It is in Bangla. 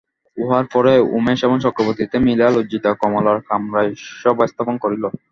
ইহার পরে উমেশ এবং চক্রবর্তীতে মিলিয়া লজ্জিত কমলার কামরায় সভাস্থাপন করিল।